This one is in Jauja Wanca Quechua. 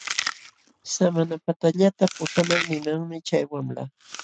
Samanapatallata puśhamay nimanmi chay wamla.